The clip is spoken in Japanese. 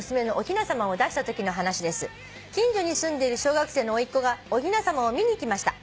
「近所に住んでいる小学生のおいっ子がおひなさまを見に来ました」